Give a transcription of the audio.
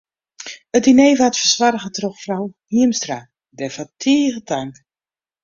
It diner waard fersoarge troch frou Hiemstra, dêrfoar tige tank.